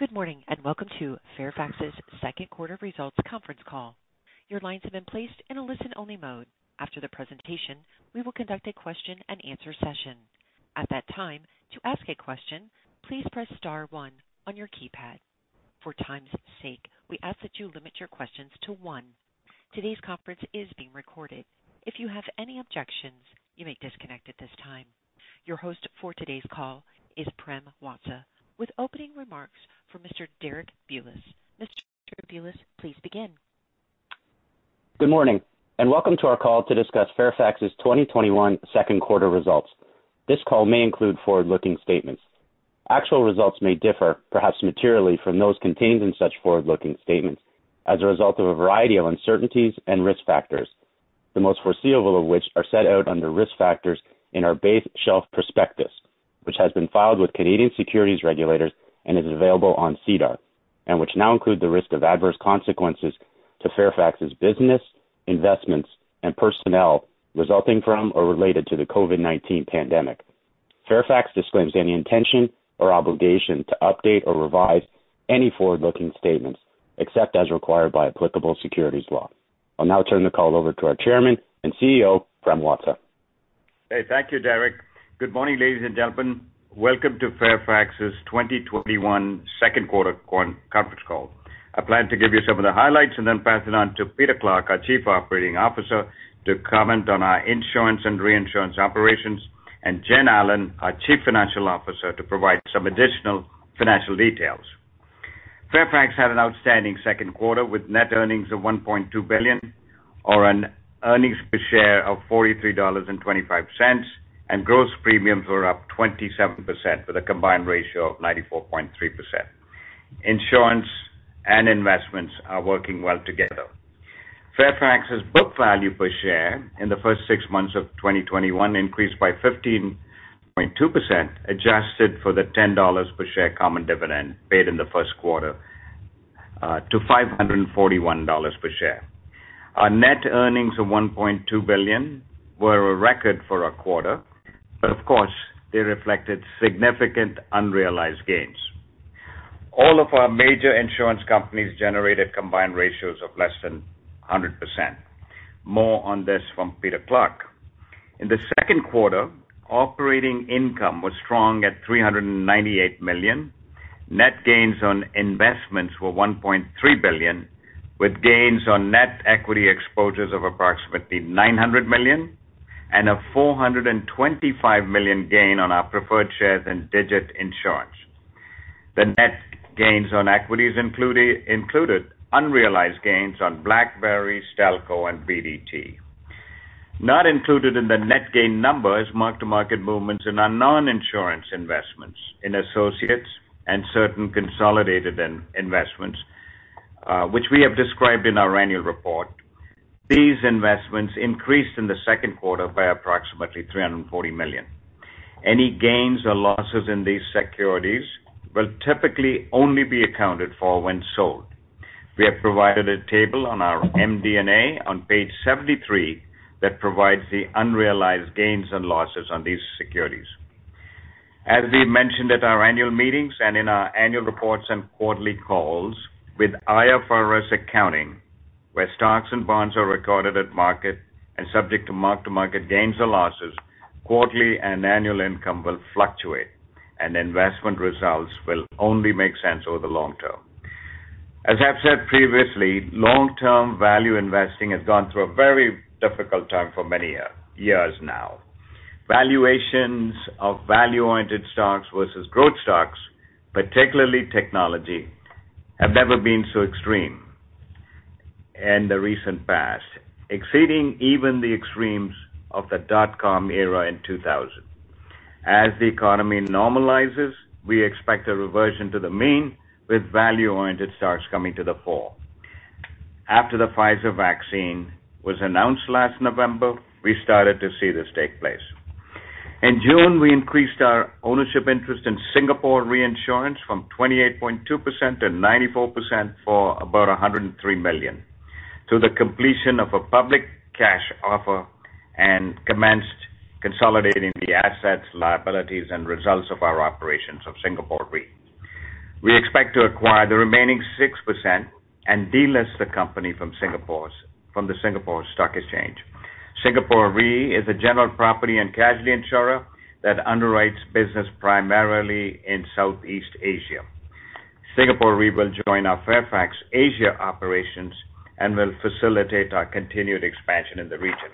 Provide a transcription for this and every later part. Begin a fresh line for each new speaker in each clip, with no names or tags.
Good morning. Welcome to Fairfax's second quarter results conference call. Your lines have been placed in a listen-only mode. After the presentation, we will conduct a question and answer session. At that time, to ask a question, please press star one on your keypad. For time's sake, we ask that you limit your questions to one. Today's conference is being recorded. If you have any objections, you may disconnect at this time. Your host for today's call is Prem Watsa, with opening remarks from Mr. Derek Bulas. Mr. Bulas, please begin.
Good morning, welcome to our call to discuss Fairfax's 2021 second quarter results. This call may include forward-looking statements. Actual results may differ, perhaps materially, from those contained in such forward-looking statements as a result of a variety of uncertainties and risk factors, the most foreseeable of which are set out under risk factors in our base shelf prospectus, which has been filed with Canadian securities regulators and is available on SEDAR, and which now include the risk of adverse consequences to Fairfax's business, investments, and personnel resulting from or related to the COVID-19 pandemic. Fairfax disclaims any intention or obligation to update or revise any forward-looking statements, except as required by applicable securities law. I'll now turn the call over to our Chairman and Chief Executive Officer, Prem Watsa.
Hey. Thank you, Derek. Good morning, ladies and gentlemen. Welcome to Fairfax's 2021 second quarter conference call. I plan to give you some of the highlights and then pass it on to Peter Clarke, our Chief Operating Officer, to comment on our insurance and reinsurance operations, and Jennifer Allen, our Chief Financial Officer, to provide some additional financial details. Fairfax had an outstanding second quarter, with net earnings of 1.2 billion or an earnings per share of 43.25 dollars, and gross premiums were up 27% with a combined ratio of 94.3%. Insurance and investments are working well together. Fairfax's book value per share in the first six months of 2021 increased by 15.2%, adjusted for the 10 dollars per share common dividend paid in the first quarter, to 541 dollars per share. Our net earnings of 1.2 billion were a record for our quarter, but of course, they reflected significant unrealized gains. All of our major insurance companies generated combined ratios of less than 100%. More on this from Peter Clarke. In the second quarter, operating income was strong at 398 million. Net gains on investments were 1.3 billion, with gains on net equity exposures of approximately 900 million and a 425 million gain on our preferred shares in Digit Insurance. The net gains on equities included unrealized gains on BlackBerry, Stelco, and BDT. Not included in the net gain numbers, mark-to-market movements in our non-insurance investments in associates and certain consolidated investments, which we have described in our annual report. These investments increased in the second quarter by approximately 340 million. Any gains or losses in these securities will typically only be accounted for when sold. We have provided a table on our MD&A on page 73 that provides the unrealized gains and losses on these securities. As we mentioned at our annual meetings and in our annual reports and quarterly calls, with IFRS accounting, where stocks and bonds are recorded at market and subject to mark-to-market gains or losses, quarterly and annual income will fluctuate, and investment results will only make sense over the long term. As I've said previously, long-term value investing has gone through a very difficult time for many years now. Valuations of value-oriented stocks versus growth stocks, particularly technology, have never been so extreme in the recent past, exceeding even the extremes of the dot com era in 2000. As the economy normalizes, we expect a reversion to the mean, with value-oriented stocks coming to the fore. After the Pfizer vaccine was announced last November, we started to see this take place. In June, we increased our ownership interest in Singapore Reinsurance from 28.2% to 94% for about $103 million through the completion of a public cash offer and commenced consolidating the assets, liabilities, and results of our operations of Singapore Re. We expect to acquire the remaining 6% and delist the company from the Singapore Exchange. Singapore Re is a general property and casualty insurer that underwrites business primarily in Southeast Asia. Singapore Re will join our Fairfax Asia operations and will facilitate our continued expansion in the region.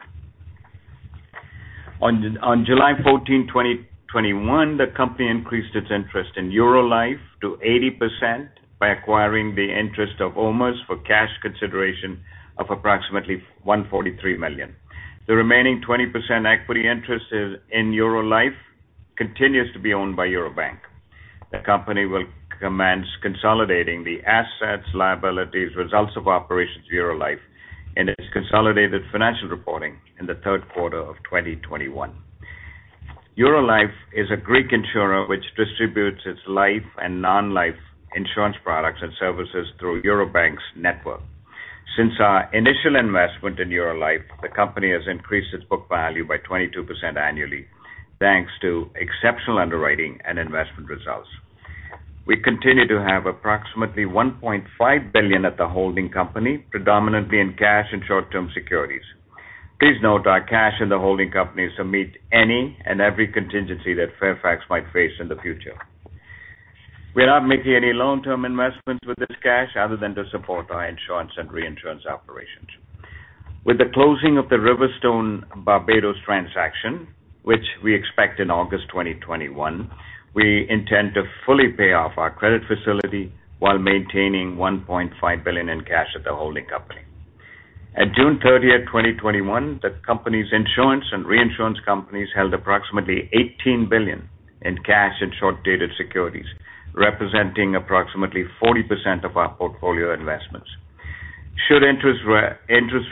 On July 14, 2021, the company increased its interest in Eurolife to 80% by acquiring the interest of OMERS for cash consideration of approximately $143 million. The remaining 20% equity interest in Eurolife continues to be owned by Eurobank. The company will commence consolidating the assets, liabilities, results of operations of Eurolife in its consolidated financial reporting in the third quarter of 2021. Eurolife is a Greek insurer which distributes its life and non-life insurance products and services through Eurobank's network. Since our initial investment in Eurolife, the company has increased its book value by 22% annually thanks to exceptional underwriting and investment results. We continue to have approximately 1.5 billion at the holding company, predominantly in cash and short-term securities. Please note our cash in the holding company is to meet any and every contingency that Fairfax might face in the future. We are not making any long-term investments with this cash other than to support our insurance and reinsurance operations. With the closing of the RiverStone (Barbados) Ltd. transaction, which we expect in August 2021, we intend to fully pay off our credit facility while maintaining $1.5 billion in cash at the holding company. At June 30th, 2021, the company's insurance and reinsurance companies held approximately $18 billion in cash and short-dated securities, representing approximately 40% of our portfolio investments. Should interest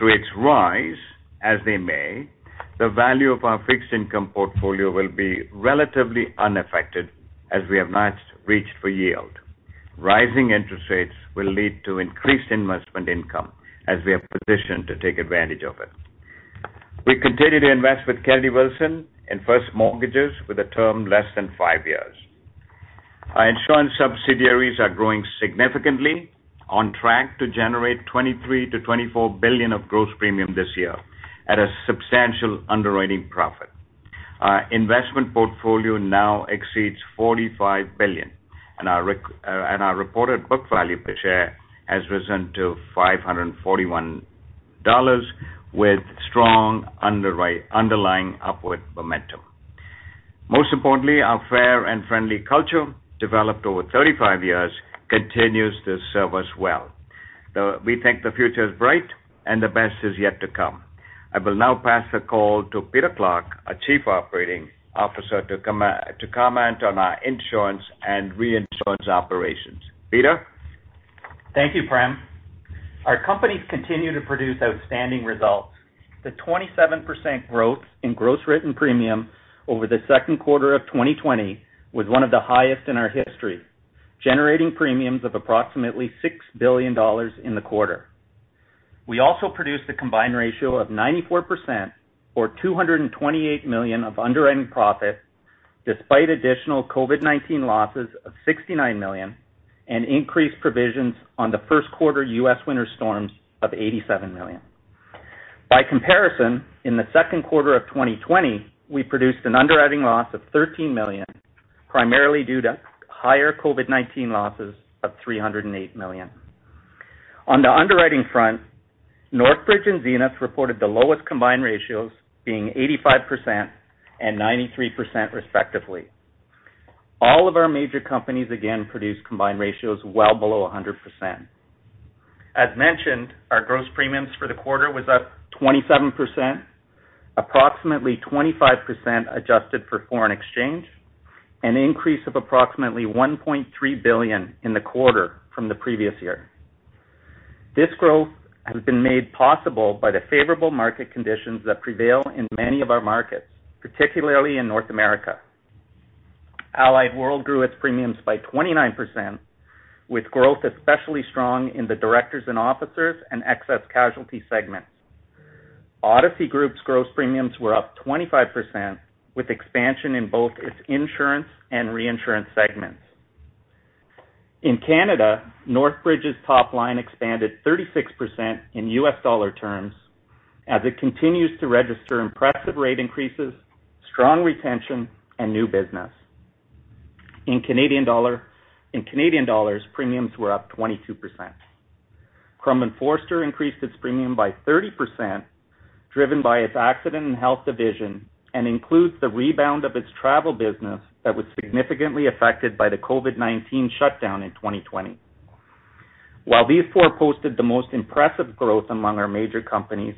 rates rise, as they may, the value of our fixed income portfolio will be relatively unaffected as we have not reached for yield. Rising interest rates will lead to increased investment income as we are positioned to take advantage of it. We continue to invest with Kennedy Wilson in first mortgages with a term less than five years. Our insurance subsidiaries are growing significantly, on track to generate $23 billion-$24 billion of gross premium this year at a substantial underwriting profit. Our investment portfolio now exceeds $45 billion, and our reported book value per share has risen to $541 with strong underlying upward momentum. Most importantly, our fair and friendly culture, developed over 35 years, continues to serve us well. We think the future is bright and the best is yet to come. I will now pass the call to Peter Clarke, our Chief Operating Officer, to comment on our insurance and reinsurance operations. Peter?
Thank you, Prem Watsa. Our companies continue to produce outstanding results. The 27% growth in gross written premium over the second quarter of 2020 was one of the highest in our history, generating premiums of approximately 6 billion dollars in the quarter. We also produced a combined ratio of 94%, or CAD 228 million of underwriting profit, despite additional COVID-19 losses of CAD 69 million and increased provisions on the first quarter U.S. winter storms of CAD 87 million. By comparison, in the second quarter of 2020, we produced an underwriting loss of 13 million, primarily due to higher COVID-19 losses of 308 million. On the underwriting front, Northbridge and Zenith reported the lowest combined ratios, being 85% and 93% respectively. All of our major companies again produced combined ratios well below 100%. As mentioned, our gross premiums for the quarter was up 27%, approximately 25% adjusted for foreign exchange, an increase of approximately 1.3 billion in the quarter from the previous year. This growth has been made possible by the favorable market conditions that prevail in many of our markets, particularly in North America. Allied World grew its premiums by 29%, with growth especially strong in the directors and officers and excess casualty segments. Odyssey Group's gross premiums were up 25%, with expansion in both its insurance and reinsurance segments. In Canada, Northbridge's top line expanded 36% in U.S. dollar terms as it continues to register impressive rate increases, strong retention, and new business. In Canadian dollars, premiums were up 22%. Crum & Forster increased its premium by 30%, driven by its accident and health division, and includes the rebound of its travel business that was significantly affected by the COVID-19 shutdown in 2020. While these four posted the most impressive growth among our major companies,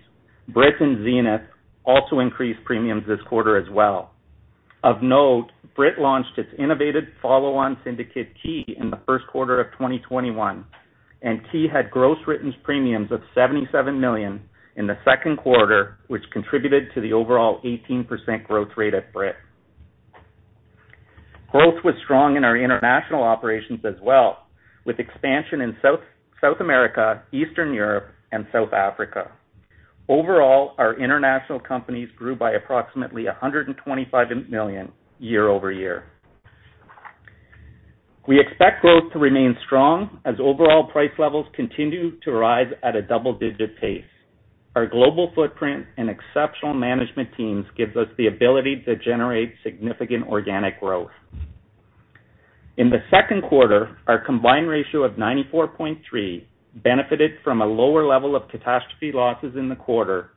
Brit and Zenith also increased premiums this quarter as well. Of note, Brit launched its innovative follow-on syndicate Ki in the first quarter of 2021, and Ki had gross premiums of $77 million in the second quarter, which contributed to the overall 18% growth rate at Brit. Growth was strong in our international operations as well, with expansion in South America, Eastern Europe, and South Africa. Overall, our international companies grew by approximately $125 million year-over-year. We expect growth to remain strong as overall price levels continue to rise at a double-digit pace. Our global footprint and exceptional management teams gives us the ability to generate significant organic growth. In the second quarter, our combined ratio of 94.3 benefited from a lower level of catastrophe losses in the quarter,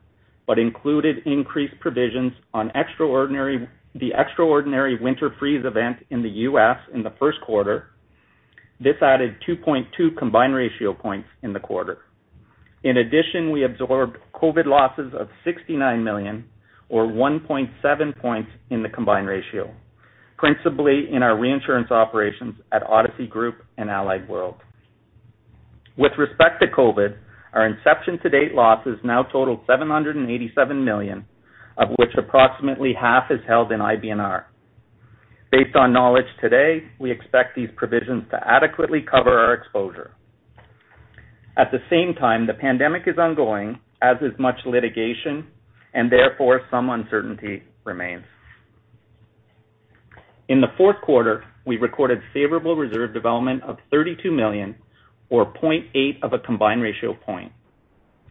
but included increased provisions on the extraordinary winter freeze event in the U.S. in the first quarter. This added 2.2 combined ratio points in the quarter. In addition, we absorbed COVID losses of $69 million or 1.7 points in the combined ratio, principally in our reinsurance operations at Odyssey Group and Allied World. With respect to COVID, our inception to date losses now total $787 million, of which approximately half is held in IBNR. Based on knowledge today, we expect these provisions to adequately cover our exposure. At the same time, the pandemic is ongoing, as is much litigation, and therefore some uncertainty remains. In the fourth quarter, we recorded favorable reserve development of 32 million, or 0.8 of a combined ratio point,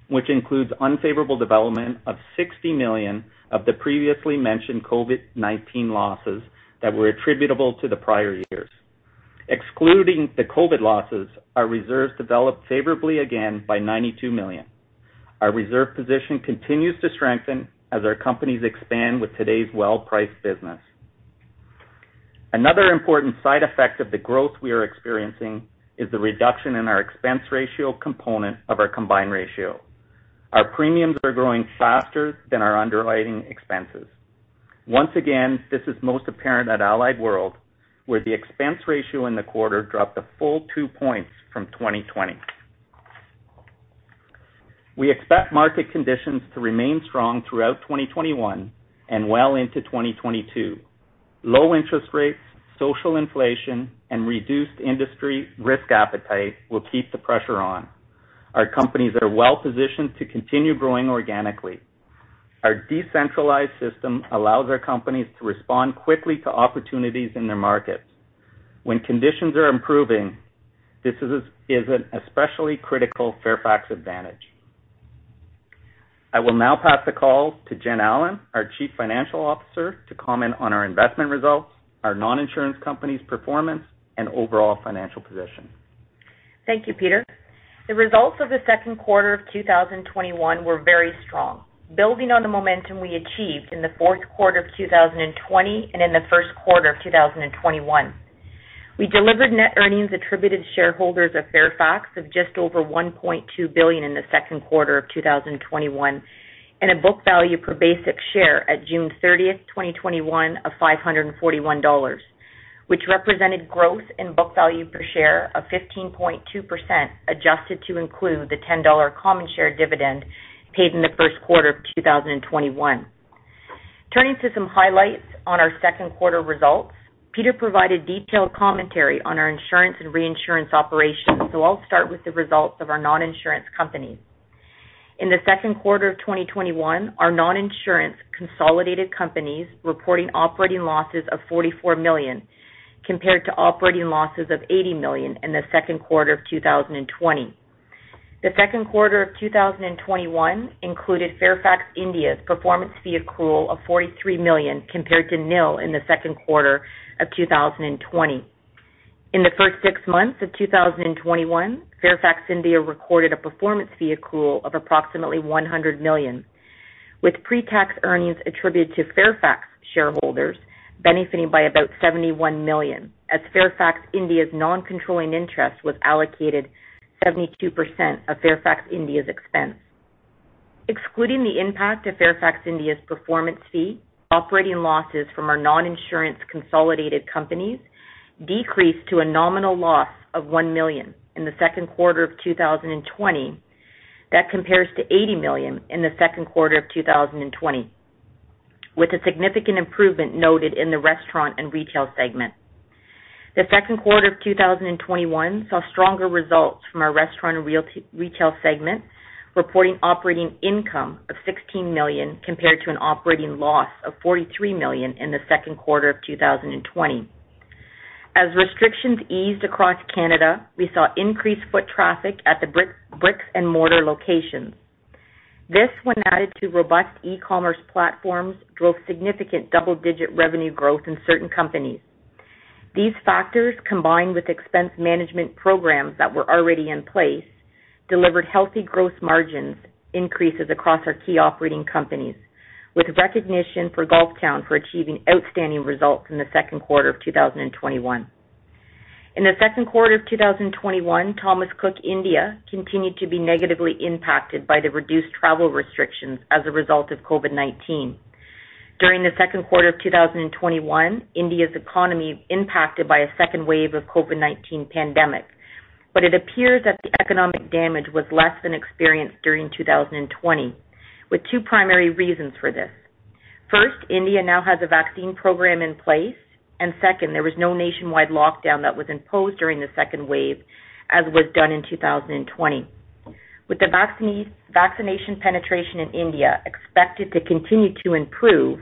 which includes unfavorable development of 60 million of the previously mentioned COVID-19 losses that were attributable to the prior years. Excluding the COVID losses, our reserves developed favorably again by 92 million. Our reserve position continues to strengthen as our companies expand with today's well-priced business. Another important side effect of the growth we are experiencing is the reduction in our expense ratio component of our combined ratio. Our premiums are growing faster than our underwriting expenses. Once again, this is most apparent at Allied World, where the expense ratio in the quarter dropped a full two points from 2020. We expect market conditions to remain strong throughout 2021 and well into 2022. Low interest rates, social inflation, and reduced industry risk appetite will keep the pressure on. Our companies are well positioned to continue growing organically. Our decentralized system allows our companies to respond quickly to opportunities in their markets. When conditions are improving, this is an especially critical Fairfax advantage. I will now pass the call to Jen Allen, our chief financial officer, to comment on our investment results, our non-insurance companies' performance, and overall financial position.
Thank you, Peter. The results of the second quarter of 2021 were very strong, building on the momentum we achieved in the fourth quarter of 2020 and in the first quarter of 2021. We delivered net earnings attributed to shareholders of Fairfax of just over $1.2 billion in the second quarter of 2021, and a book value per basic share at June 30th, 2021, of $541, which represented growth in book value per share of 15.2%, adjusted to include the $10 common share dividend paid in the first quarter of 2021. Turning to some highlights on our second quarter results. Peter provided detailed commentary on our insurance and reinsurance operations. I'll start with the results of our non-insurance companies. In the second quarter of 2021, our non-insurance consolidated companies reporting operating losses of $44 million, compared to operating losses of $80 million in the second quarter of 2020. The second quarter of 2021 included Fairfax India's performance fee accrual of $43 million, compared to nil in the second quarter of 2020. In the first six months of 2021, Fairfax India recorded a performance fee accrual of approximately $100 million, with pre-tax earnings attributed to Fairfax shareholders benefiting by about $71 million, as Fairfax India's non-controlling interest was allocated 72% of Fairfax India's expense. Excluding the impact of Fairfax India's performance fee, operating losses from our non-insurance consolidated companies decreased to a nominal loss of $1 million in the second quarter of 2020. That compares to $80 million in the second quarter of 2020, with a significant improvement noted in the restaurant and retail segment. The second quarter of 2021 saw stronger results from our restaurant and retail segment, reporting operating income of $16 million compared to an operating loss of $43 million in the second quarter of 2020. As restrictions eased across Canada, we saw increased foot traffic at the bricks and mortar locations. This, when added to robust e-commerce platforms, drove significant double-digit revenue growth in certain companies. These factors, combined with expense management programs that were already in place, delivered healthy gross margins increases across our key operating companies, with recognition for Golf Town for achieving outstanding results in the second quarter of 2021. In the second quarter of 2021, Thomas Cook India continued to be negatively impacted by the reduced travel restrictions as a result of COVID-19. During the second quarter of 2021, India's economy impacted by a second wave of COVID-19 pandemic. It appears that the economic damage was less than experienced during 2020, with two primary reasons for this. First, India now has a vaccine program in place, and second, there was no nationwide lockdown that was imposed during the second wave, as was done in 2020. With the vaccination penetration in India expected to continue to improve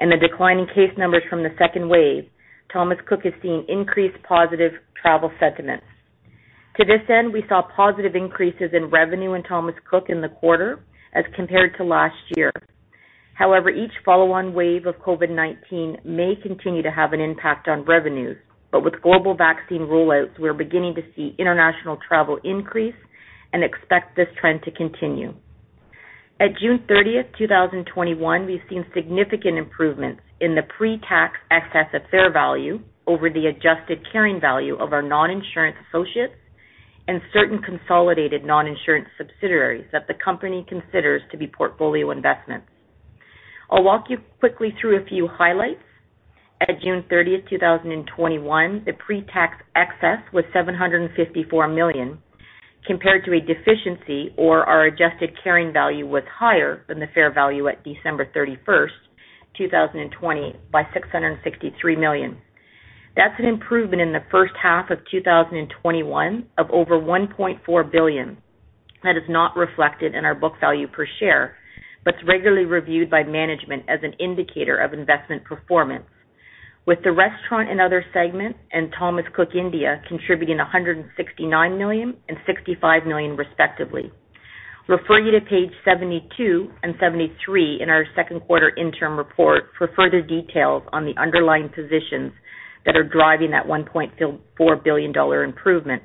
and the decline in case numbers from the second wave, Thomas Cook is seeing increased positive travel sentiments. To this end, we saw positive increases in revenue in Thomas Cook in the quarter as compared to last year. Each follow-on wave of COVID-19 may continue to have an impact on revenues. With global vaccine rollouts, we are beginning to see international travel increase and expect this trend to continue. At June 30th, 2021, we've seen significant improvements in the pre-tax excess of fair value over the adjusted carrying value of our non-insurance associates and certain consolidated non-insurance subsidiaries that the company considers to be portfolio investments. I'll walk you quickly through a few highlights. At June 30th, 2021, the pre-tax excess was 754 million. Compared to a deficiency or our adjusted carrying value was higher than the fair value at December 31st, 2020 by 663 million. That's an improvement in the first half of 2021 of over 1.4 billion that is not reflected in our book value per share, but is regularly reviewed by management as an indicator of investment performance. With the restaurant and other segment and Thomas Cook India contributing 169 million and 65 million respectively. Refer you to page 72 and 73 in our second quarter interim report for further details on the underlying positions that are driving that 1.4 billion dollar improvement.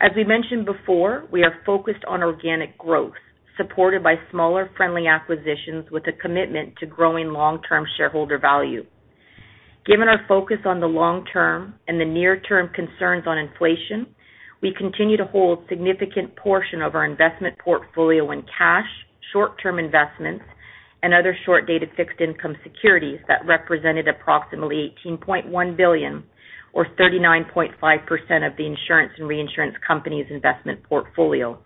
As we mentioned before, we are focused on organic growth, supported by smaller friendly acquisitions with a commitment to growing long-term shareholder value. Given our focus on the long term and the near-term concerns on inflation, we continue to hold significant portion of our investment portfolio in cash, short-term investments, and other short-dated fixed income securities that represented approximately $18.1 billion or 39.5% of the insurance and reinsurance company's investment portfolio.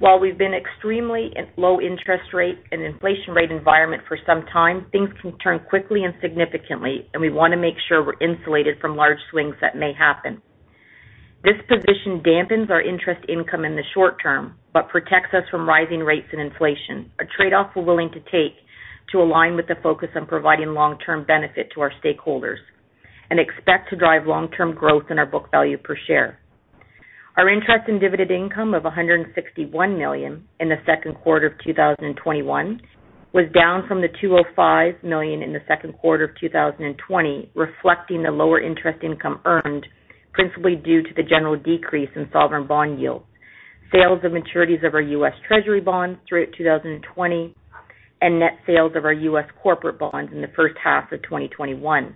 While we've been extremely low interest rate and inflation rate environment for some time, things can turn quickly and significantly, and we want to make sure we're insulated from large swings that may happen. This position dampens our interest income in the short term, but protects us from rising rates and inflation, a trade-off we're willing to take to align with the focus on providing long-term benefit to our stakeholders and expect to drive long-term growth in our book value per share. Our interest in dividend income of CAD 161 million in the second quarter of 2021 was down from the CAD 205 million in the second quarter of 2020, reflecting the lower interest income earned principally due to the general decrease in sovereign bond yields, sales and maturities of our U.S. Treasury bonds throughout 2020, and net sales of our U.S. corporate bonds in the first half of 2021.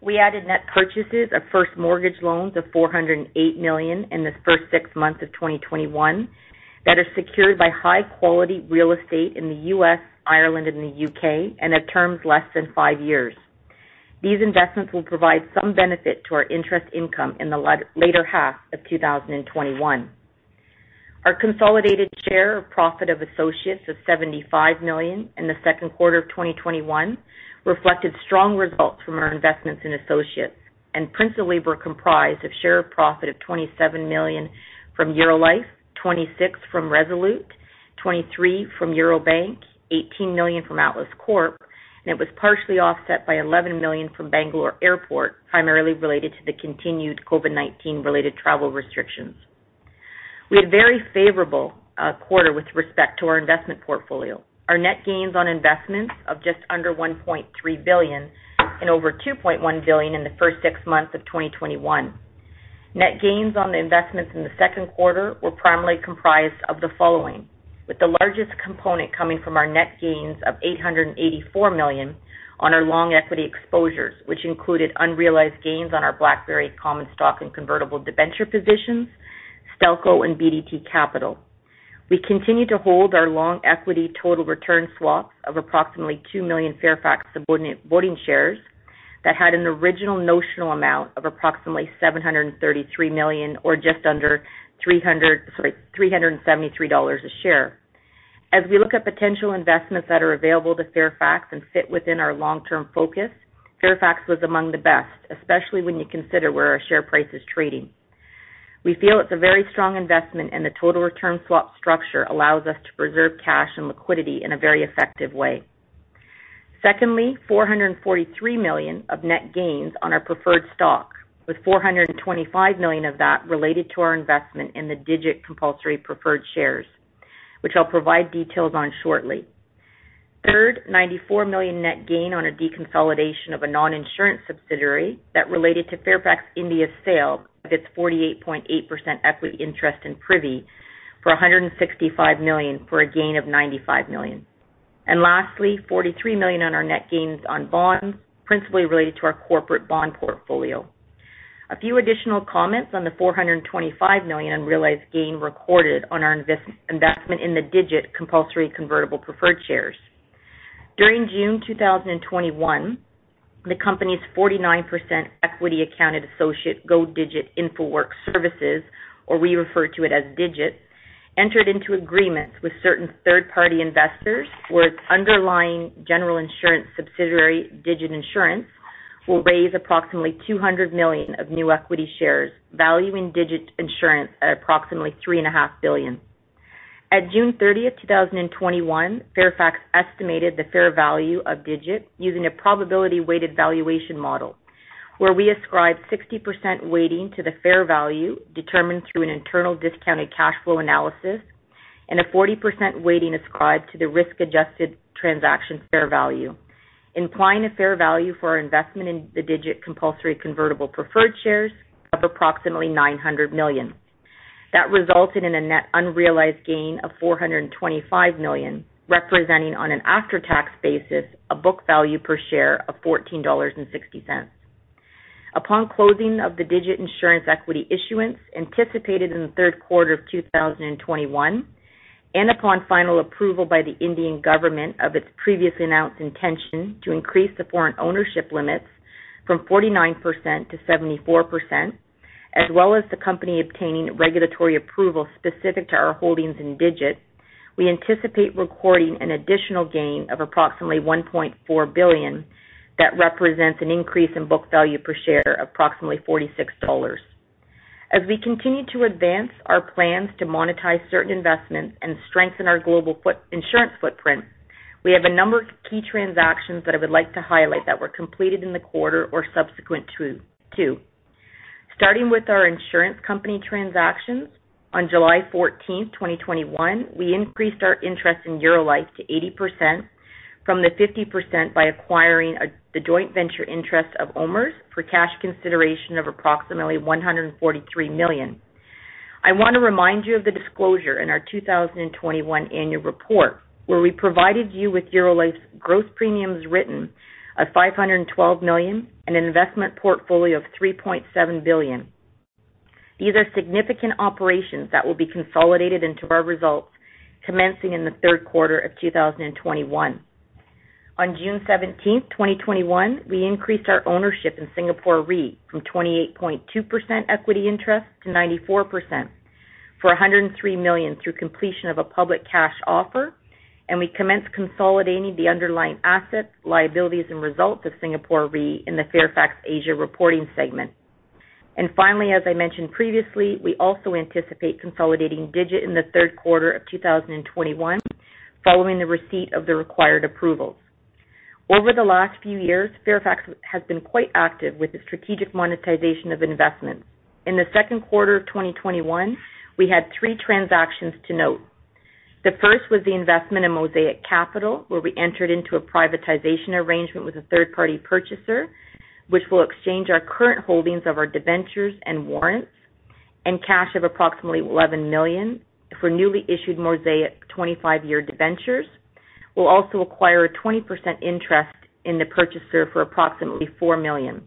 We added net purchases of first mortgage loans of 408 million in the first six months of 2021 that are secured by high-quality real estate in the U.S., Ireland, and the U.K. and have terms less than five years. These investments will provide some benefit to our interest income in the later half of 2021. Our consolidated share of profit of associates of 75 million in the second quarter of 2021 reflected strong results from our investments in associates and principally were comprised of share of profit of 27 million from Eurolife, 26 million from Resolute, 23 million from Eurobank, 18 million from Atlas Corp., and it was partially offset by 11 million from Kempegowda International Airport, primarily related to the continued COVID-19 related travel restrictions. We had a very favorable quarter with respect to our investment portfolio. Our net gains on investments of just under 1.3 billion and over 2.1 billion in the first six months of 2021. Net gains on the investments in the second quarter were primarily comprised of the following, with the largest component coming from our net gains of $884 million on our long equity exposures, which included unrealized gains on our BlackBerry common stock and convertible debenture positions, Stelco and BDT Capital. We continue to hold our long equity total return swaps of approximately 2 million Fairfax subordinate voting shares that had an original notional amount of approximately $733 million or just under, sorry, $373 a share. As we look at potential investments that are available to Fairfax and fit within our long-term focus, Fairfax was among the best, especially when you consider where our share price is trading. We feel it's a very strong investment. The total return swap structure allows us to preserve cash and liquidity in a very effective way. 443 million of net gains on our preferred stock, with $425 million of that related to our investment in the Digit compulsory preferred shares, which I'll provide details on shortly. Third, $94 million net gain on a deconsolidation of a non-insurance subsidiary that related to Fairfax India's sale of its 48.8% equity interest in Privi for $165 million for a gain of $95 million. Lastly, $43 million on our net gains on bonds, principally related to our corporate bond portfolio. A few additional comments on the $425 million unrealized gain recorded on our investment in the Digit compulsory convertible preferred shares. During June 2021, the company's 49% equity accounted associate Go Digit Infoworks Services, or we refer to it as Digit, entered into agreements with certain third-party investors where its underlying general insurance subsidiary, Digit Insurance, will raise approximately $200 million of new equity shares, valuing Digit Insurance at approximately $3.5 billion. At June 30th, 2021, Fairfax estimated the fair value of Digit using a probability weighted valuation model where we ascribed 60% weighting to the fair value determined through an internal discounted cash flow analysis and a 40% weighting ascribed to the risk-adjusted transaction fair value, implying a fair value for our investment in the Digit compulsory convertible preferred shares of approximately $900 million. That resulted in a net unrealized gain of $425 million, representing on an after-tax basis, a book value per share of $14.60. Upon closing of the Digit Insurance equity issuance anticipated in the third quarter of 2021, and upon final approval by the Indian government of its previously announced intention to increase the foreign ownership limits from 49%-74%, as well as the company obtaining regulatory approval specific to our holdings in Digit, we anticipate recording an additional gain of approximately $1.4 billion that represents an an increase in book value per share of approximately $46. As we continue to advance our plans to monetize certain investments and strengthen our global insurance footprint, we have a number of key transactions that I would like to highlight that were completed in the quarter or subsequent to. Starting with our insurance company transactions, on July 14, 2021, we increased our interest in Eurolife to 80% from the 50% by acquiring the joint venture interest of OMERS for cash consideration of approximately $143 million. I want to remind you of the disclosure in our 2021 annual report, where we provided you with Eurolife's gross premiums written of $512 million and an investment portfolio of $3.7 billion. These are significant operations that will be consolidated into our results commencing in the third quarter of 2021. On June 17th, 2021, we increased our ownership in Singapore Re from 28.2% equity interest to 94% for $103 million through completion of a public cash offer, we commenced consolidating the underlying assets, liabilities, and results of Singapore Re in the Fairfax Asia reporting segment. Finally, as I mentioned previously, we also anticipate consolidating Digit in the third quarter of 2021 following the receipt of the required approvals. Over the last few years, Fairfax has been quite active with the strategic monetization of investments. In the second quarter of 2021, we had three transactions to note. The first was the investment in Mosaic Capital, where we entered into a privatization arrangement with a third-party purchaser, which will exchange our current holdings of our debentures and warrants and cash of approximately $11 million for newly issued Mosaic 25-year debentures. We'll also acquire a 20% interest in the purchaser for approximately $4 million.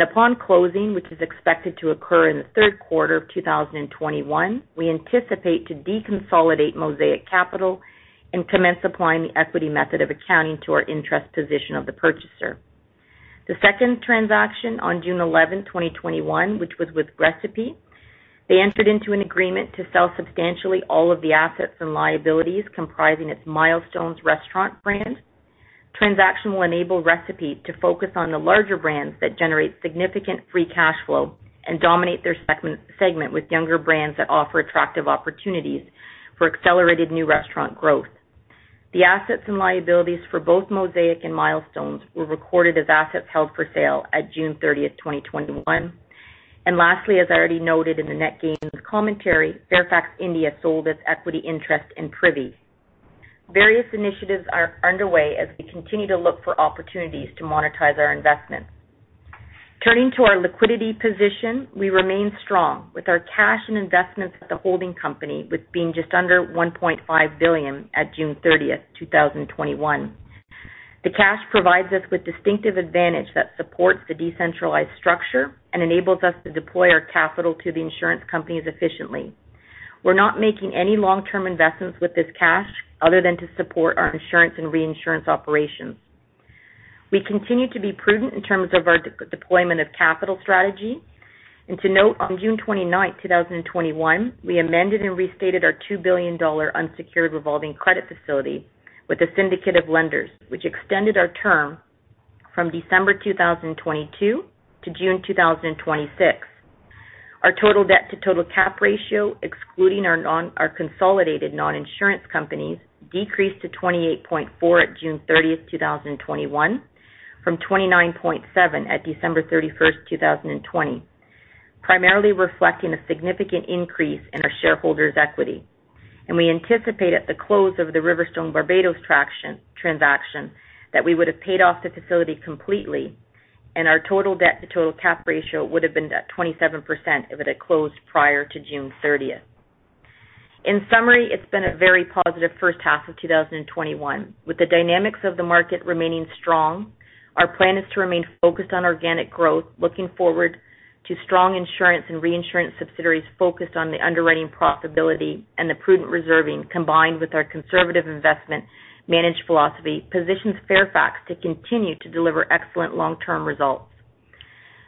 Upon closing, which is expected to occur in the third quarter of 2021, we anticipate to deconsolidate Mosaic Capital and commence applying the equity method of accounting to our interest position of the purchaser. The second transaction on June 11, 2021, which was with Recipe. They entered into an agreement to sell substantially all of the assets and liabilities comprising its Milestones restaurant brand. Transaction will enable Recipe to focus on the larger brands that generate significant free cash flow and dominate their segment with younger brands that offer attractive opportunities for accelerated new restaurant growth. The assets and liabilities for both Mosaic and Milestones were recorded as assets held for sale at June 30th, 2021. Lastly, as I already noted in the net gains commentary, Fairfax India sold its equity interest in Privi. Various initiatives are underway as we continue to look for opportunities to monetize our investments. Turning to our liquidity position, we remain strong with our cash and investments at the holding company with being just under $1.5 billion at June 30th, 2021. The cash provides us with distinctive advantage that supports the decentralized structure and enables us to deploy our capital to the insurance companies efficiently. We're not making any long-term investments with this cash other than to support our insurance and reinsurance operations. We continue to be prudent in terms of our deployment of capital strategy. To note, on June 29, 2021, we amended and restated our 2 billion dollar unsecured revolving credit facility with a syndicate of lenders, which extended our term from December 2022 to June 2026. Our total debt to total cap ratio, excluding our consolidated non-insurance companies, decreased to 28.4% at June 30, 2021 from 29.7% at December 31, 2020, primarily reflecting a significant increase in our shareholders' equity. We anticipate at the close of the RiverStone Barbados transaction that we would have paid off the facility completely, and our total debt to total cap ratio would have been at 27% if it had closed prior to June 30. In summary, it's been a very positive first half of 2021. With the dynamics of the market remaining strong, our plan is to remain focused on organic growth, looking forward to strong insurance and reinsurance subsidiaries focused on the underwriting profitability and the prudent reserving, combined with our conservative investment managed philosophy, positions Fairfax to continue to deliver excellent long-term results.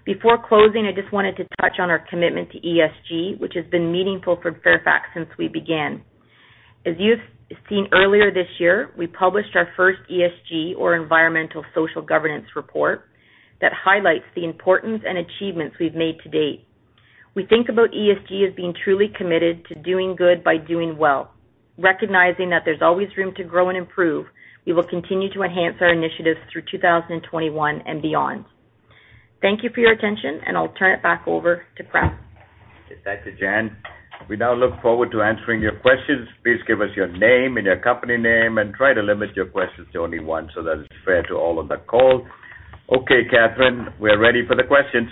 Before closing, I just wanted to touch on our commitment to ESG, which has been meaningful for Fairfax since we began. As you've seen earlier this year, we published our first ESG, or environmental social governance, report that highlights the importance and achievements we've made to date. We think about ESG as being truly committed to doing good by doing well. Recognizing that there's always room to grow and improve, we will continue to enhance our initiatives through 2021 and beyond. Thank you for your attention, and I'll turn it back over to Prem.
Okay. Thank you, Jen. We now look forward to answering your questions. Please give us your name and your company name and try to limit your questions to only one so that it's fair to all on the call. Okay, Catherine, we're ready for the questions.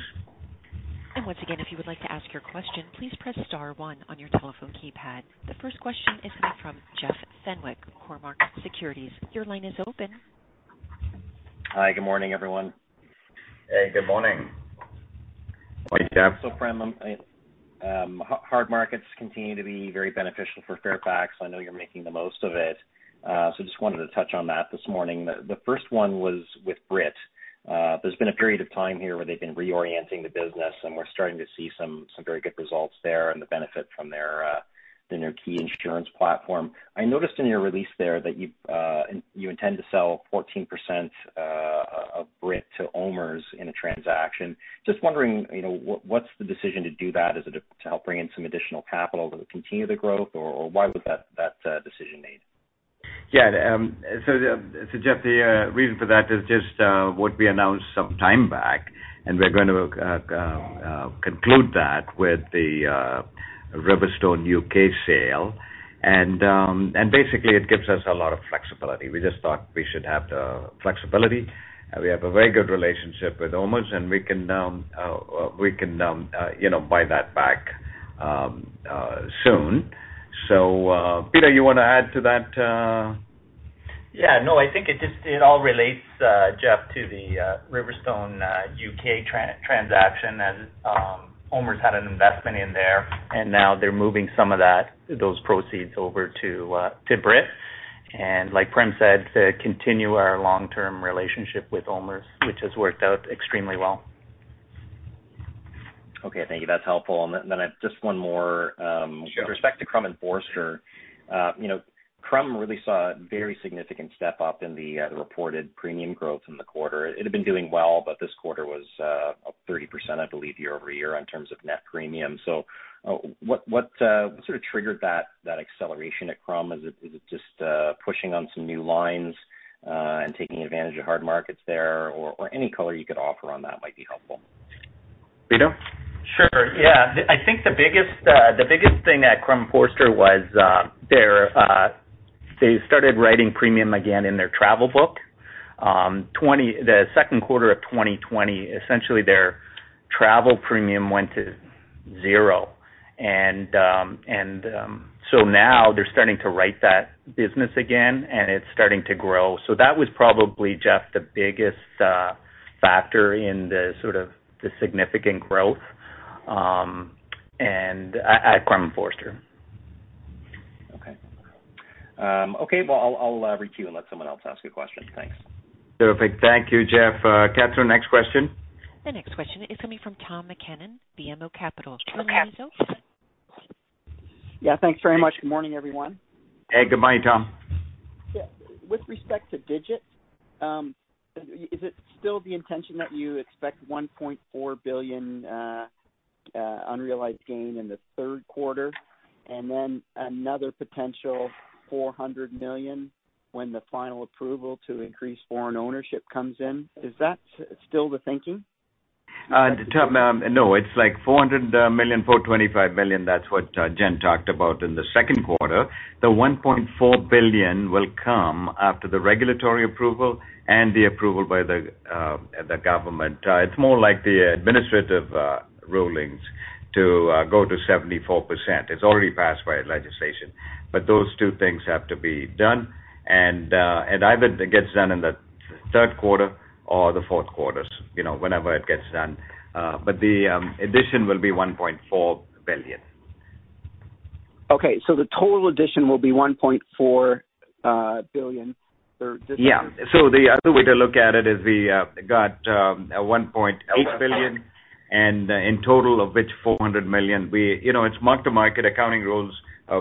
Once again, if you would like to ask your question, please press star one on your telephone keypad. The first question is coming from Jeff Fenwick, Cormark Securities. Your line is open.
Hi. Good morning, everyone.
Hey, good morning.
Prem, hard markets continue to be very beneficial for Fairfax. I know you're making the most of it. Just wanted to touch on that this morning. The first one was with Brit. There's been a period of time here where they've been reorienting the business, and we're starting to see some very good results there and the benefit from their new Ki insurance platform. I noticed in your release there that you intend to sell 14% of Brit to OMERS in a transaction. Just wondering, what's the decision to do that? Is it to help bring in some additional capital to continue the growth, or why was that decision made?
Jeff, the reason for that is just what we announced some time back, and we're going to conclude that with the RiverStone Europe sale. Basically it gives us a lot of flexibility. We just thought we should have the flexibility, and we have a very good relationship with OMERS, and we can buy that back soon. Peter, you want to add to that?
Yeah, no, I think it all relates, Jeff, to the RiverStone Europe transaction as OMERS had an investment in there, and now they're moving some of those proceeds over to Brit. Like Prem said, to continue our long-term relationship with OMERS, which has worked out extremely well.
Okay. Thank you. That's helpful. Then I've just one more.
Sure.
With respect to Crum & Forster. Crum really saw a very significant step up in the reported premium growth in the quarter. It had been doing well, this quarter was up 30%, I believe, year-over-year in terms of net premium. What sort of triggered that acceleration at Crum? Is it just pushing on some new lines, and taking advantage of hard markets there? Any color you could offer on that might be helpful.
Peter?
Sure. Yeah. I think the biggest thing at Crum & Forster was they started writing premium again in their travel book. The second quarter of 2020, essentially their travel premium went to zero. Now they're starting to write that business again, and it's starting to grow. That was probably, Jeff, the biggest factor in the sort of the significant growth at Crum & Forster.
Okay. Well, I'll recue and let someone else ask a question. Thanks.
Terrific. Thank you, Jeff. Catherine, next question.
The next question is coming from Tom MacKinnon, BMO Capital. Tom, your line is open.
Yeah, thanks very much. Good morning, everyone.
Hey, good morning, Tom.
Yeah, with respect to Digit, is it still the intention that you expect $1.4 billion unrealized gain in the third quarter, and then another potential $400 million when the final approval to increase foreign ownership comes in? Is that still the thinking?
Tom, no, it's like $400 million, $425 million. That's what Jen talked about in the second quarter. The $1.4 billion will come after the regulatory approval and the approval by the government. It's more like the administrative rulings to go to 74%. It's already passed by legislation. Those two things have to be done, and either it gets done in the third quarter or the fourth quarters, whenever it gets done. The addition will be $1.4 billion.
Okay. The total addition will be $1.4 billion this year?
Yeah. The other way to look at it is we got $1.8 billion, and in total of which $400 million. It's mark-to-market accounting rules.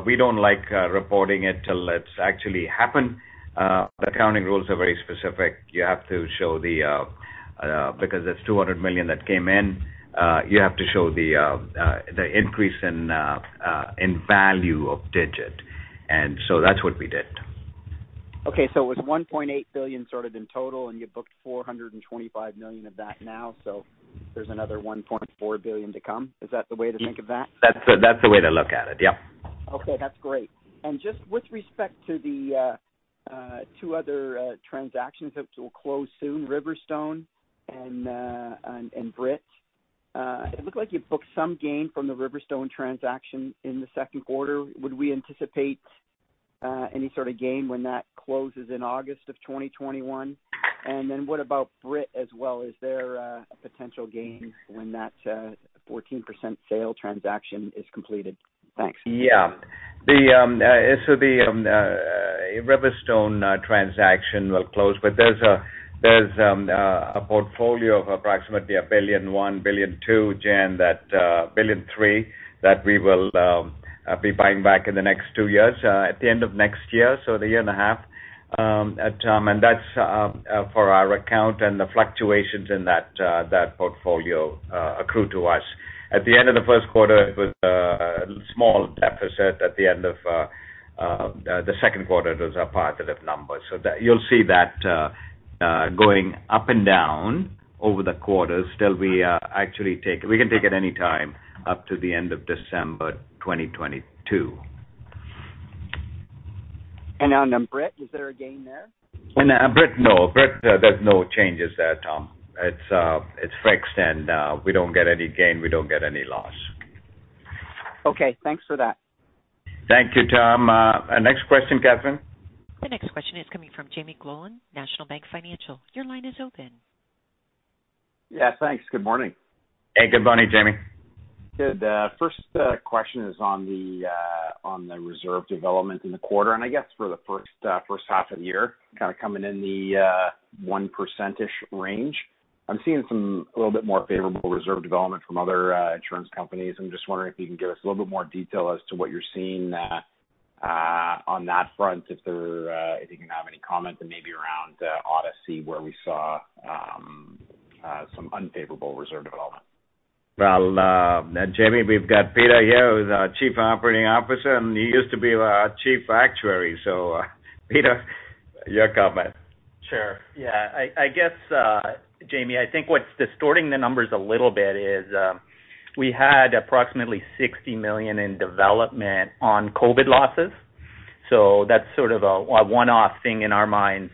We don't like reporting it till it's actually happened. The accounting rules are very specific. Because it's $200 million that came in, you have to show the increase in value of Digit. That's what we did.
Okay, it was 1.8 billion sort of in total, and you booked 425 million of that now, so there is another 1.4 billion to come. Is that the way to think of that?
That's the way to look at it. Yep.
Okay, that's great. Just with respect to the two other transactions that will close soon, RiverStone and Brit. It looked like you booked some gain from the RiverStone transaction in the second quarter. Would we anticipate any sort of gain when that closes in August of 2021? What about Brit as well? Is there a potential gain when that 14% sale transaction is completed? Thanks.
Yeah. The RiverStone transaction will close, but there's a portfolio of approximately $1 billion, $1.2 billion, Jen, $1.3 billion that we will be buying back in the next two years, at the end of next year, so a year and a half. That's for our account and the fluctuations in that portfolio accrue to us. At the end of the first quarter, it was a small deficit. At the end of the second quarter, it was a positive number. You'll see that going up and down over the quarters till we actually take it. We can take it any time up to the end of December 2022.
On Brit, is there a gain there?
Brit, no. Brit, there's no changes there, Tom. It's fixed and we don't get any gain, we don't get any loss.
Okay, thanks for that.
Thank you, Tom. Next question, Catherine.
The next question is coming from Jaeme Gloyn, National Bank Financial. Your line is open.
Yeah, thanks. Good morning.
Hey, good morning, Jaeme.
Good. First question is on the reserve development in the quarter. I guess for the first half of the year, kind of coming in the 1%-ish range. I'm seeing a little bit more favorable reserve development from other insurance companies. I'm just wondering if you can give us a little bit more detail as to what you're seeing on that front, if you can have any comment and maybe around Odyssey, where we saw some unfavorable reserve development.
Jaeme, we've got Peter here, who's our Chief Operating Officer, and he used to be our Chief Actuary. Peter, your comment.
Sure. Yeah. I guess, Jaeme, I think what's distorting the numbers a little bit is we had approximately 60 million in development on COVID-19 losses. That's sort of a one-off thing in our minds.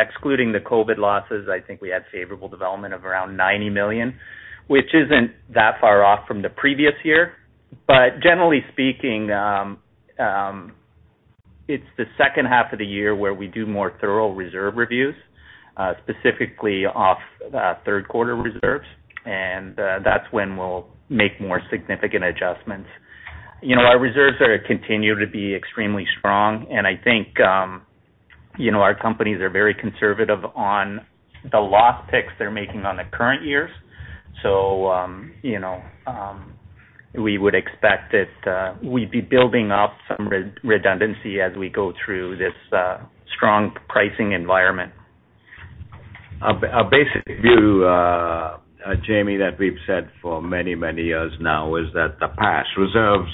Excluding the COVID-19 losses, I think we had favorable development of around 90 million, which isn't that far off from the previous year. Generally speaking, it's the second half of the year where we do more thorough reserve reviews, specifically off third quarter reserves. That's when we'll make more significant adjustments. Our reserves continue to be extremely strong, and I think our companies are very conservative on the loss picks they're making on the current years. We would expect that we'd be building up some redundancy as we go through this strong pricing environment.
Our basic view, Jaeme, that we've said for many years now is that the past reserves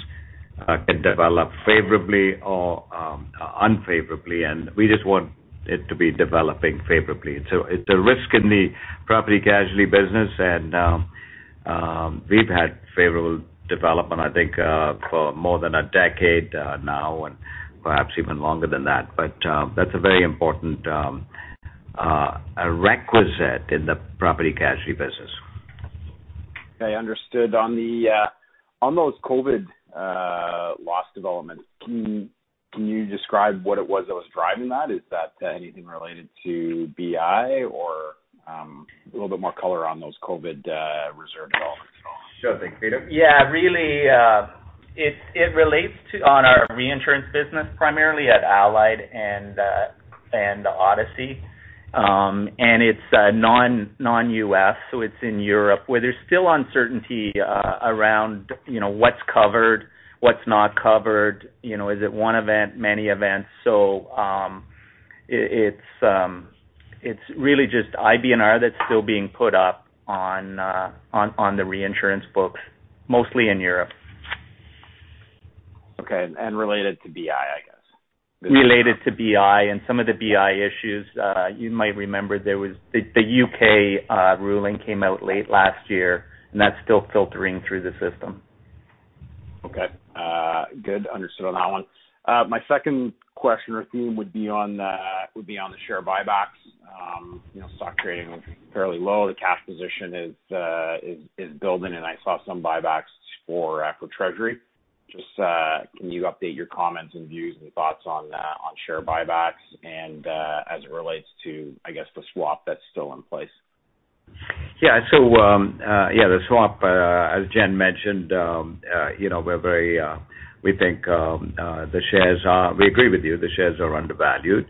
can develop favorably or unfavorably, and we just want it to be developing favorably. The risk in the property casualty business, and we've had favorable development, I think, for more than a decade now, and perhaps even longer than that. That's a very important requisite in the property casualty business.
Okay, understood. On those COVID loss developments, can you describe what it was that was driving that? Is that anything related to BI? A little bit more color on those COVID reserve developments.
Sure thing. Peter?
Yeah, really, it relates to on our reinsurance business, primarily at Allied and Odyssey. It's non-U.S., so it's in Europe where there's still uncertainty around what's covered, what's not covered. Is it one event, many events? It's really just IBNR that's still being put up on the reinsurance books, mostly in Europe.
Okay, and related to BI, I guess.
Related to BI and some of the BI issues. You might remember the U.K. ruling came out late last year, and that's still filtering through the system.
Okay. Good. Understood on that one. My second question or theme would be on the share buybacks. Stock trading was fairly low. The cash position is building. I saw some buybacks for treasury. Just can you update your comments and views and thoughts on share buybacks and, as it relates to, I guess, the swap that's still in place?
Yeah. The swap as Jen mentioned, we agree with you, the shares are undervalued.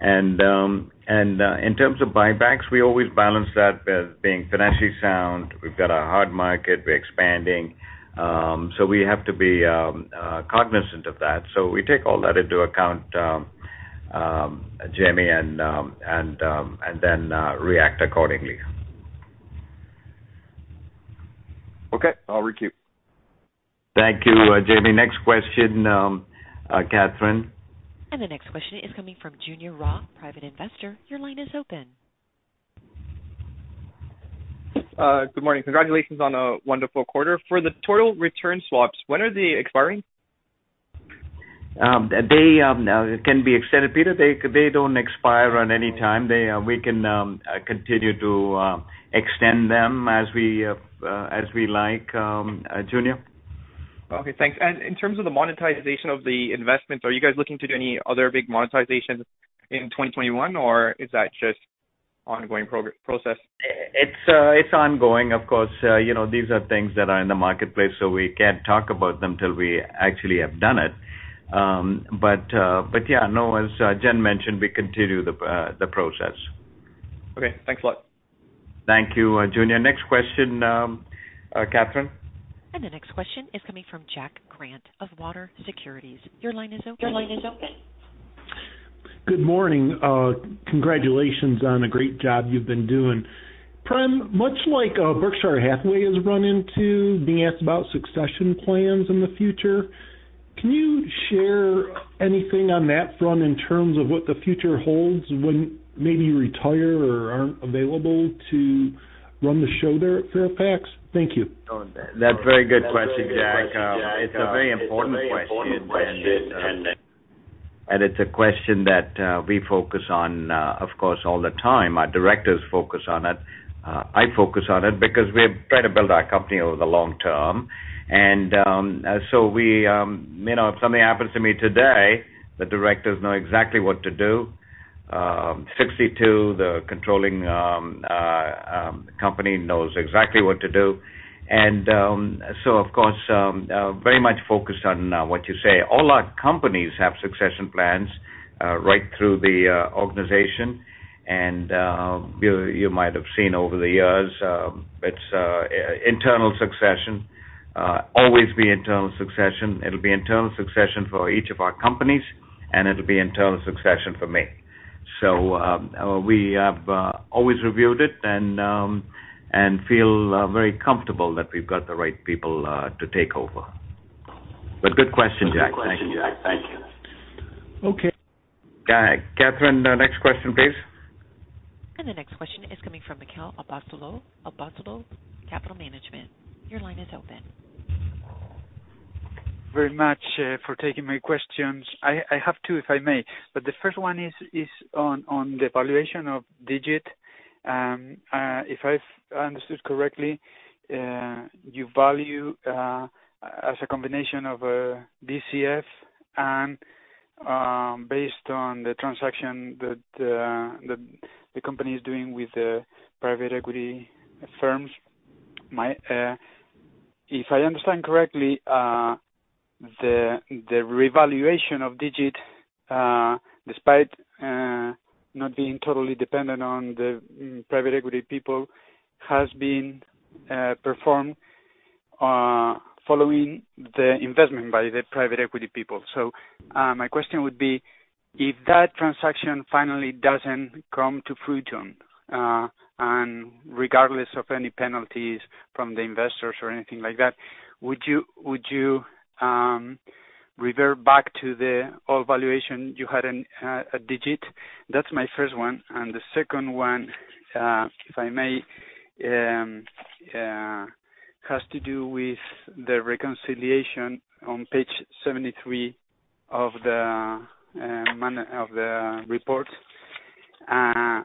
In terms of buybacks, we always balance that with being financially sound. We've got a hard market. We're expanding. We have to be cognizant of that. We take all that into account, Jaeme, and then react accordingly.
Okay. I'll recue.
Thank you, Jaeme. Next question, Catherine.
The next question is coming from Junior Roth, Private Investor. Your line is open.
Good morning. Congratulations on a wonderful quarter. For the total return swaps, when are they expiring?
They can be extended, Peter. They don't expire on anytime. We can continue to extend them as we like, Junior.
Okay, thanks. In terms of the monetization of the investments, are you guys looking to do any other big monetization in 2021, or is that just ongoing process?
It's ongoing. Of course, these are things that are in the marketplace, so we can't talk about them till we actually have done it. Yeah, no, as Jen mentioned, we continue the process.
Okay. Thanks a lot.
Thank you, Junior. Next question, Catherine.
The next question is coming from Jack Grant of Water Securities. Your line is open.
Good morning. Congratulations on a great job you've been doing. Prem, much like Berkshire Hathaway has run into being asked about succession plans in the future, can you share anything on that front in terms of what the future holds when maybe you retire or aren't available to run the show there at Fairfax? Thank you.
That's a very good question, Jack. It's a very important question. It's a question that we focus on, of course, all the time. Our directors focus on it, I focus on it, because we try to build our company over the long term. If something happens to me today, the directors know exactly what to do. Sixty Two, the controlling company, knows exactly what to do. Of course, very much focused on what you say. All our companies have succession plans right through the organization. You might have seen over the years, it's internal succession. Always be internal succession. It'll be internal succession for each of our companies, and it'll be internal succession for me. We have always reviewed it and feel very comfortable that we've got the right people to take over. Good question, Jack. Thank you. Good question, Jack. Thank you.
Okay.
Catherine, the next question, please.
The next question is coming from Mikhail Abasolo from Solo Capital Management. Your line is open.
Very much for taking my questions. I have two, if I may. The first one is on the valuation of Digit. If I've understood correctly, you value as a combination of a DCF and based on the transaction that the company is doing with the private equity firms. If I understand correctly, the revaluation of Digit, despite not being totally dependent on the private equity people, has been performed following the investment by the private equity people. My question would be, if that transaction finally doesn't come to fruition, and regardless of any penalties from the investors or anything like that, would you revert back to the old valuation you had in Digit? That's my first one. The second one, if I may, has to do with the reconciliation on page 73 of the report. I've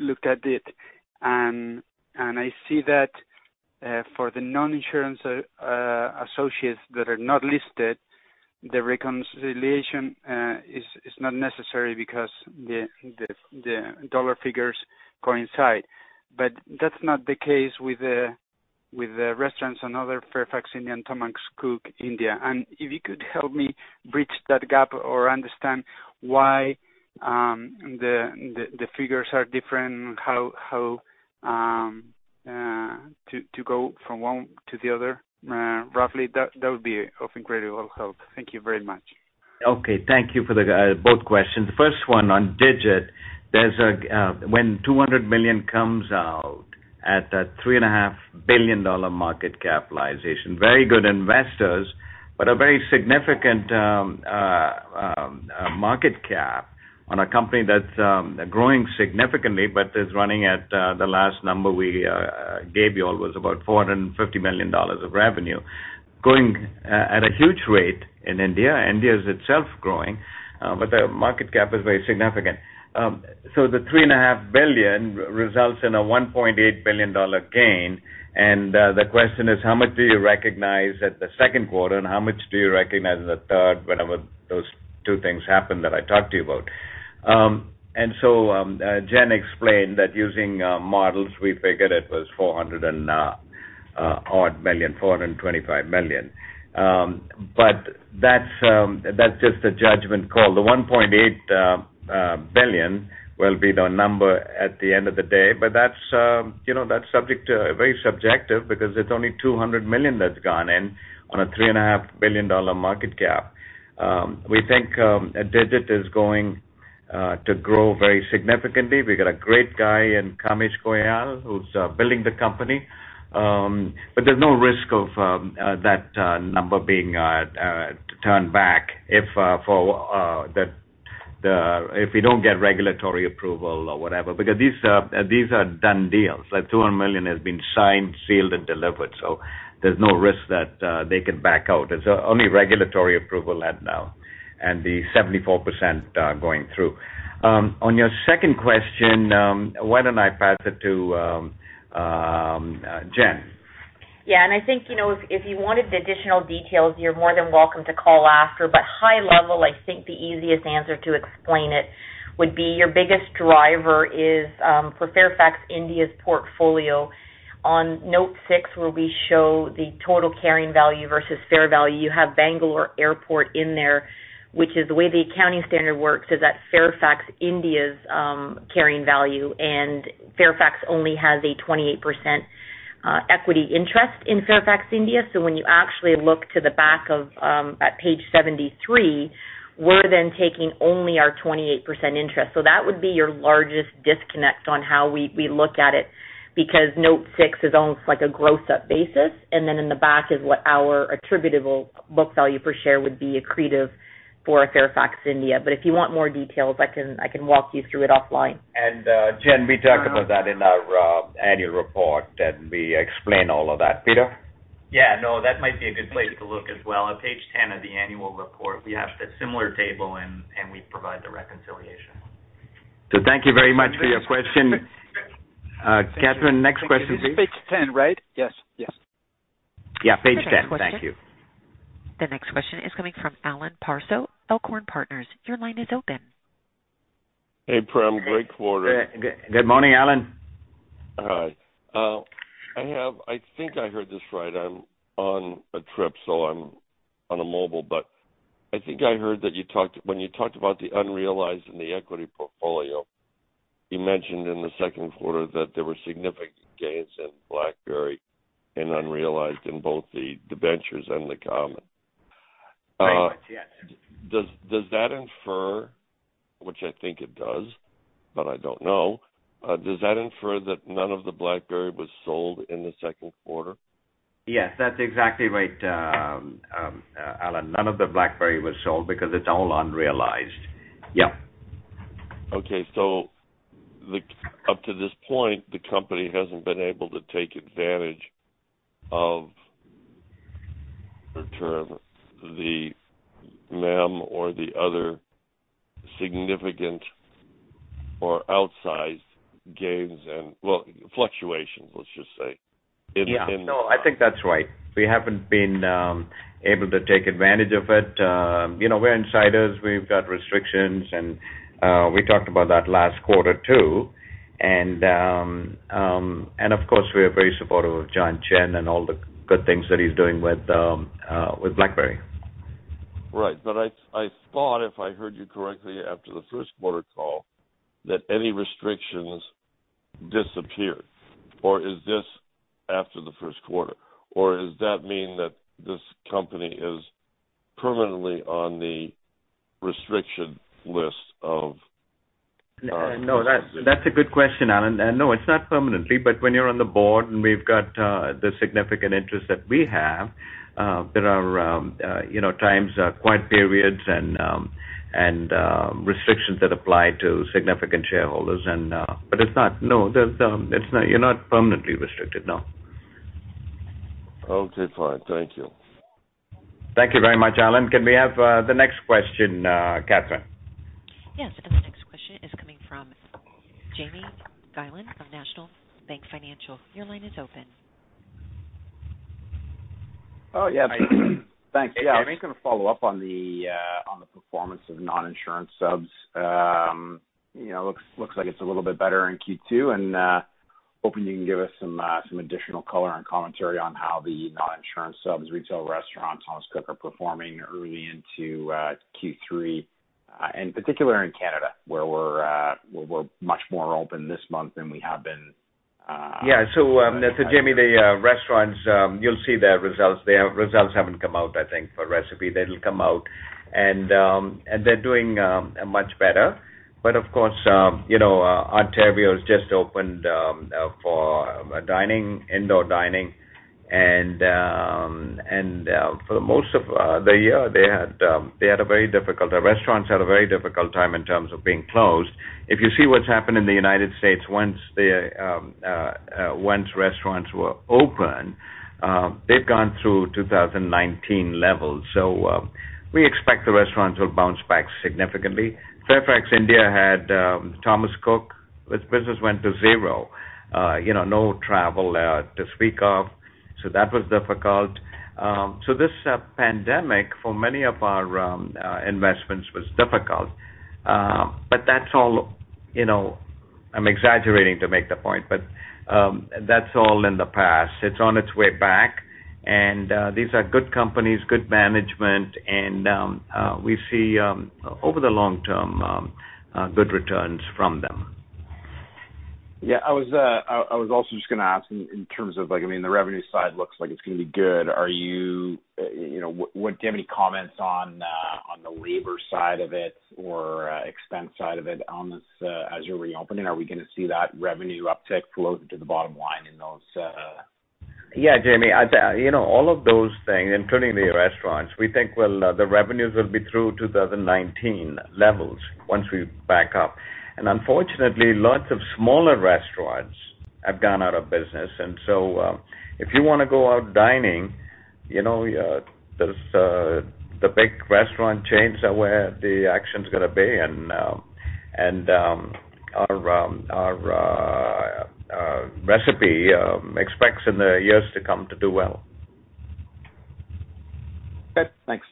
looked at it, and I see that for the non-insurance associates that are not listed, the reconciliation is not necessary because the dollar figures coincide. That's not the case with the restaurants and other Fairfax India and Thomas Cook India. If you could help me bridge that gap or understand why the figures are different and how to go from one to the other roughly, that would be of incredible help. Thank you very much.
Okay. Thank you for both questions. The first one on Digit, when $200 million comes out at a three and a half billion dollar market capitalization, very good investors, a very significant market cap on a company that's growing significantly but is running at the last number we gave you all was about $450 million of revenue. Growing at a huge rate in India. India is itself growing. The market cap is very significant. The three and a half billion US dollar results in a $1.8 billion gain. The question is, how much do you recognize at the second quarter, and how much do you recognize in the third, whenever those two things happen that I talked to you about? Jen explained that using models, we figured it was 400 odd million, 425 million. That's just a judgment call. The 1.8 billion will be the number at the end of the day. That's very subjective because it's only 200 million that's gone in on a 3.5 billion dollar market cap. We think Digit is going to grow very significantly. We've got a great guy in Kamesh Goyal who's building the company. There's no risk of that number being turned back if we don't get regulatory approval or whatever, because these are done deals. That 200 million has been signed, sealed, and delivered. There's no risk that they can back out. It's only regulatory approval right now and the 74% going through. On your second question, why don't I pass it to Jen?
I think if you wanted the additional details, you're more than welcome to call after. High-level, I think the easiest answer to explain it would be your biggest driver is for Fairfax India's portfolio on Note 6, where we show the total carrying value versus fair value. You have Kempegowda International Airport in there, which is the way the accounting standard works is at Fairfax India's carrying value, and Fairfax only has a 28% equity interest in Fairfax India. When you actually look to the back of page 73, we're then taking only our 28% interest. That would be your largest disconnect on how we look at it, because Note 6 is almost like a gross-up basis. In the back is what our attributable book value per share would be accretive for Fairfax India. If you want more details, I can walk you through it offline.
Jen, we talk about that in our annual report, and we explain all of that. Peter?
Yeah. No, that might be a good place to look as well. On page 10 of the annual report, we have a similar table, and we provide the reconciliation.
Thank you very much for your question. Catherine, next question, please.
It's page 10, right? Yes.
Yeah, page 10. Thank you.
The next question is coming from Alan Parsow, Elkhorn Partners. Your line is open.
Hey, Prem. Great quarter.
Good morning, Alan.
Hi. I think I heard this right. I'm on a trip, so I'm on a mobile, but I think I heard that when you talked about the unrealized and the equity portfolio, you mentioned in the second quarter that there were significant gains in BlackBerry and unrealized in both the debentures and the common.
Right. Yes.
Does that infer, which I think it does, but I don't know, does that infer that none of the BlackBerry was sold in the second quarter?
Yes, that's exactly right, Alan. None of the BlackBerry was sold because it's all unrealized. Yep.
Up to this point, the company hasn't been able to take advantage of, [for term, the meme] or the other significant or outsized gains and, well, fluctuations, let's just say.
Yeah. No, I think that's right. We haven't been able to take advantage of it. We're insiders. We've got restrictions, and we talked about that last quarter, too. Of course, we are very supportive of John Chen and all the good things that he's doing with BlackBerry.
Right. I thought, if I heard you correctly after the first quarter call, that any restrictions disappeared, or is this after the first quarter? Does that mean that this company is permanently on the restriction list of-
That's a good question, Alan. It's not permanently, but when you're on the board and we've got the significant interest that we have, there are times, quiet periods, and restrictions that apply to significant shareholders. You're not permanently restricted, no.
Okay, fine. Thank you.
Thank you very much, Alan. Can we have the next question, Catherine?
Yes. The next question is coming from Jaeme Gloyn of National Bank Financial. Your line is open.
Yeah. Thanks. Yeah. I was going to follow up on the performance of non-insurance subs. Looks like it's a little bit better in Q2, and hoping you can give us some additional color and commentary on how the non-insurance subs, retail restaurants, Thomas Cook, are performing early into Q3, and particular in Canada, where we're much more open this month than we have been.
Jaeme, the restaurants, you'll see their results. Their results haven't come out, I think, for Recipe. They'll come out, they're doing much better. Of course, Ontario's just opened for indoor dining. For the most of the year, the restaurants had a very difficult time in terms of being closed. If you see what's happened in the U.S., once restaurants were open, they've gone through 2019 levels. We expect the restaurants will bounce back significantly. Fairfax India had Thomas Cook India. Its business went to zero. No travel to speak of. That was difficult. This pandemic, for many of our investments, was difficult. I'm exaggerating to make the point, that's all in the past. It's on its way back, these are good companies, good management, we see, over the long term, good returns from them.
Yeah. I was also just going to ask in terms of the revenue side looks like it's going to be good. Do you have any comments on the labor side of it or expense side of it as you're reopening? Are we going to see that revenue uptick flow to the bottom line in those.
Yeah, Jaeme. All of those things, including the restaurants, we think the revenues will be through 2019 levels once we back up. Unfortunately, lots of smaller restaurants have gone out of business. If you want to go out dining, the big restaurant chains are where the action's going to be. Our Recipe expects in the years to come to do well.
Okay. Thanks.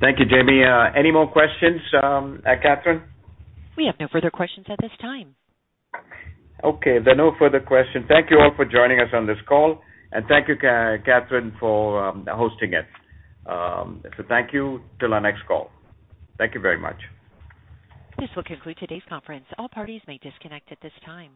Thank you, Jaeme. Any more questions, Catherine?
We have no further questions at this time.
Okay. If there are no further questions, thank you all for joining us on this call, and thank you, Catherine, for hosting it. Thank you. Till our next call. Thank you very much.
This will conclude today's conference. All parties may disconnect at this time.